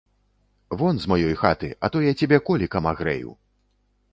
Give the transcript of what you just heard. Вон з маёй хаты, а то я цябе колікам агрэю.